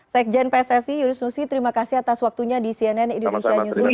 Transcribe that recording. saya jen pssi yunus nusi terima kasih atas waktunya di cnn indonesia newsroom